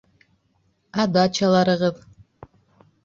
Ә дачаларығыҙ?